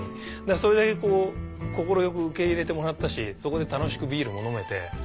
それだけ快く受け入れてもらったしそこで楽しくビールも飲めて。